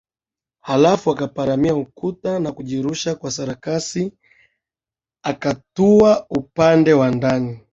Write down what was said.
Halafu akaparamia ukuta na kujirusha kwa sarakasi akatua upande wa ndani